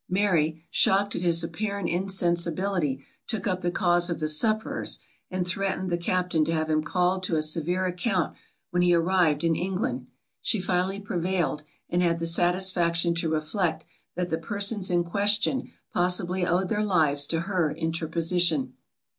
Mary, shocked at his apparent insensibility, took up the cause of the sufferers, and threatened the captain to have him called to a severe account, when he arrived in England. She finally prevailed, and had the satisfaction to reflect, that the persons in question possibly owed their lives to her interposition.